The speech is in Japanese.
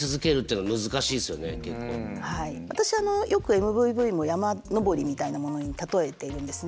私よくＭＶＶも山登りみたいなものに例えているんですね。